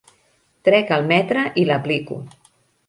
Trec el metre i l'aplico.